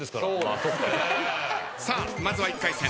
さあまずは１回戦。